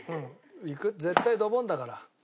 絶対ドボンだから。